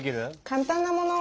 簡単なもの。